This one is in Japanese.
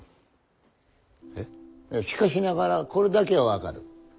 しかしながらこれだけは分かる。